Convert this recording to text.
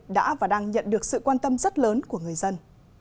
đã và đang nhận được sự quan tâm rất lớn của người dân